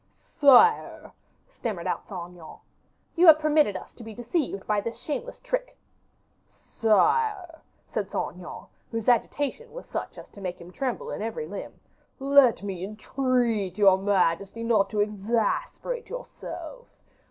"Sire," stammered out Saint Aignan. "You permitted us to be deceived by this shameless trick." "Sire," said Saint Aignan, whose agitation was such as to make him tremble in every limb, "let me entreat your majesty not to exasperate yourself.